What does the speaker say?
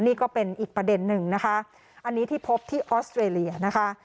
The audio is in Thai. นี่ก็เป็นอีกประเด็นหนึ่งนะคะอันนี้ที่พบที่ออสเตรเลียนะคะ